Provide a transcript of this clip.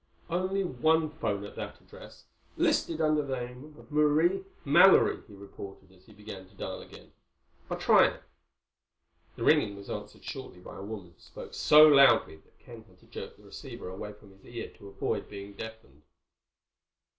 "Only one phone at that address, listed under the name of Marie Mallory," he reported, as he began to dial again. "I'll try it." The ringing was answered shortly by a woman who spoke so loudly that Ken had to jerk the receiver away from his ear to avoid being deafened.